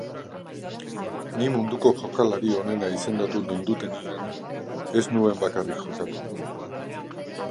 Ni munduko jokalari onena izendatu nindutenean ez nuen bakarrik jokatu.